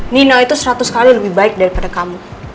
nino itu seratus kali lebih baik daripada kamu